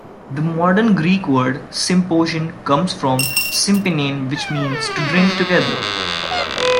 The modern Greek word "symposion" comes from "sympinein", which means "to drink together".